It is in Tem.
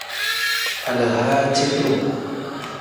Alahaaci-duu.